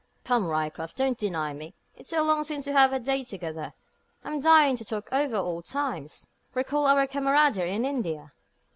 Come, Ryecroft, don't deny me. It's so long since we've had a day together, I'm dying to talk over old times recall our camaraderie in India."